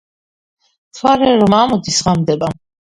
მთვარე რომ ამოდის ღამდება